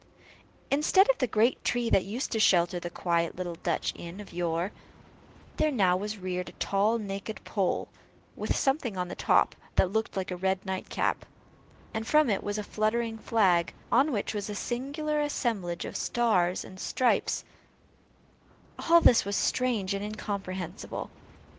Instead of the great tree that used to shelter the quiet little Dutch inn of yore, there now was reared a tall naked pole, with something on the top that looked like a red nightcap, and from it was fluttering a flag, on which was a singular assemblage of stars and stripes all this was strange and incomprehensible.